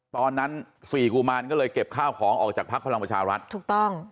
ตอนนั้นสี่กุมารก็เลยเก็บข้าวของออกจากพักพลังประชารัฐถูกต้อง